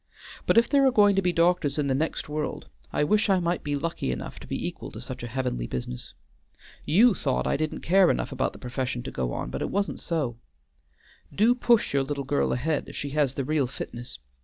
But if there are going to be doctors in the next world, I wish I might be lucky enough to be equal to such a heavenly business. You thought I didn't care enough about the profession to go on, but it wasn't so. Do push your little girl ahead if she has the real fitness.